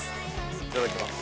いただきます。